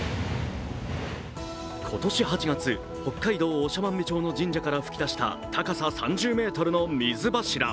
今年８月、北海道長万部町の神社から噴き出した高さ３０ｍの水柱。